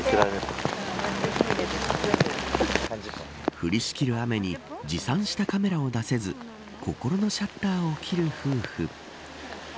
降りしきる雨に持参したカメラを出せず心のシャッターを切る夫婦。